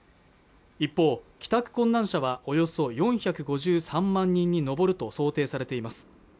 一方帰宅困難者はおよそ４５３万人に上ると想定されています